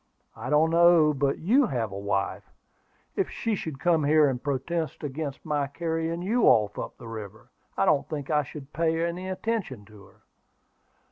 "I don't know but you have a wife. If she should come here and protest against my carrying you off up the river, I don't think I should pay any attention to her."